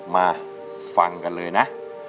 มาฟังกันเลยนะ